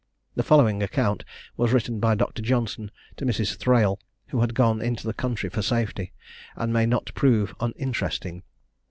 The following account was written by Dr. Johnson to Mrs. Thrale, who had gone into the country for safety; and may not prove uninteresting.